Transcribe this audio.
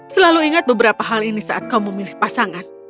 selalu ingat beberapa hal ini saat kau memilih pasangan